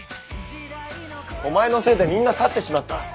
お前のせいでみんな去ってしまった！